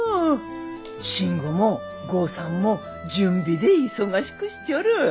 信吾も豪さんも準備で忙しくしちょる。